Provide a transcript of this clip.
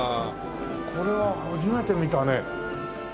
これは初めて見たね。